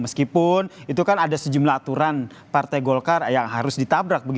meskipun itu kan ada sejumlah aturan partai golkar yang harus ditabrak